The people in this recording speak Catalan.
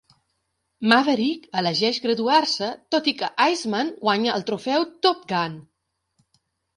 Maverick elegeix graduar-se, tot i que Iceman guanya el trofeu Top Gun.